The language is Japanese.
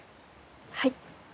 はい。